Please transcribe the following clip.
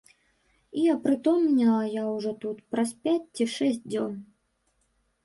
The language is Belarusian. І апрытомнела я ўжо тут, праз пяць ці шэсць дзён.